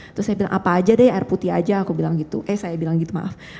terus saya bilang apa aja deh air putih aja aku bilang gitu eh saya bilang gitu maaf